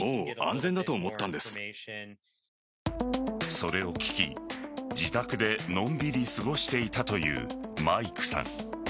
それを聞き、自宅でのんびり過ごしていたというマイクさん。